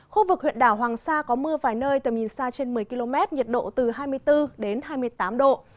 khu vực huyện đảo hoàng sa có mưa vài nơi tầm nhìn xa trên một mươi km nhiệt độ từ hai mươi bốn đến hai mươi tám độ